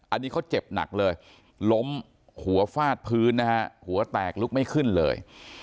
อันนี้เขาเจ็บหนักเลยล้มหัวฟาดพื้นนะฮะหัวแตกลุกไม่ขึ้นเลย